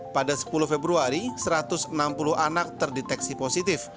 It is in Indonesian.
pada sepuluh februari satu ratus enam puluh anak terdeteksi positif